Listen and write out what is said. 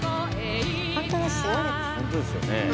本当ですよでも。